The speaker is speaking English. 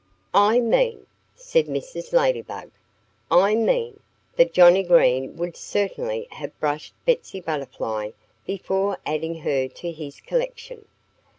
"I mean " said Mrs. Ladybug "I mean that Johnnie Green would certainly have brushed Betsy Butterfly before adding her to his collection."